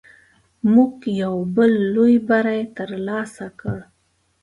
موږ یو بل لوی بری تر لاسه کړ.